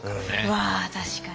うわ確かに。